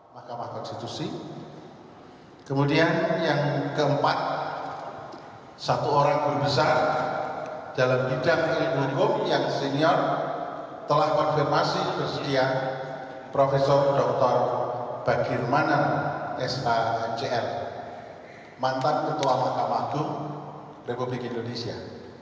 mahkamah konstitusi kemudian yang keempat satu orang yang besar dalam bidang ilmu hukum yang senior telah konfirmasi bersedia prof dr bagirmanan sajl mantan ketua mahkamah hukum republik indonesia